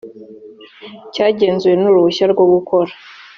cyagenzuwe n uruhushya rwo gukora